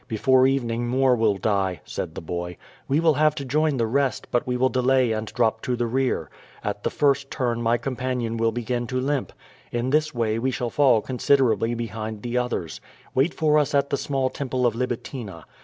Before evening, more will die," said the boy. "We will have to join the rest, but we will delay and drop to the rear. At the first turn my companion will begin to limp. In this way we shall fall con siderably behind the others. Wait for us at the small temple of Libitina.